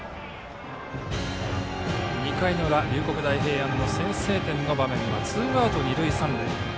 ２回の裏、龍谷大平安の先制点の場面はツーアウト、二塁三塁。